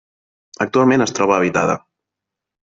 Actualment es troba habitada.